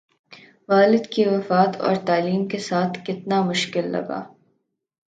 والد کی وفات اور تعلیم کے ساتھ کتنا مشکل لگا